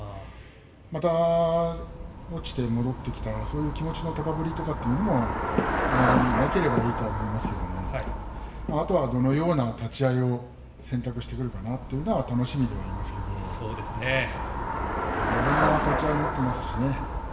また落ちて戻ってきたそういう気持ちの高ぶりとかもあまりなければいいと思いますけれどもあとは、どのような立ち合いを選択してくるかなというのは楽しみではありますけれどいろいろな立ち合いを持っていますしね。